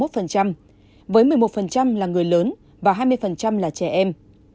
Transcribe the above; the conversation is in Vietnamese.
với một mươi một là người lớn và hai mươi là trẻ em